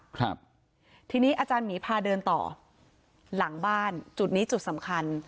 ครับทีนี้อาจารย์หมีพาเดินต่อหลังบ้านจุดนี้จุดสำคัญ